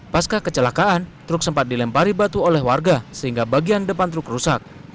pasca kecelakaan truk sempat dilempari batu oleh warga sehingga bagian depan truk rusak